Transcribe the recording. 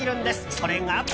それが。